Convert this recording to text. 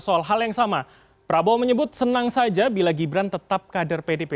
soal hal yang sama prabowo menyebut senang saja bila gibran tetap kader pdp